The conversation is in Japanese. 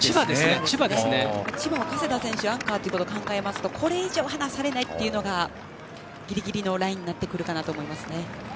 千葉は加世田選手アンカーだと考えるとこれ以上、離されないというのがギリギリのラインになってくると思いますね。